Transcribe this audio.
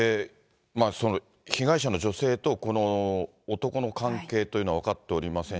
被害者の女性と、この男の関係というのは分かっておりません。